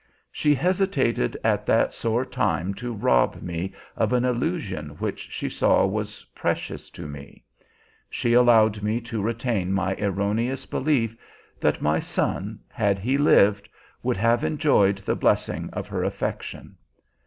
She hesitated at that sore time to rob me of an illusion which she saw was precious to me; she allowed me to retain my erroneous belief that my son, had he lived, would have enjoyed the blessing of her affection.